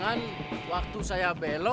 mirip ndak tau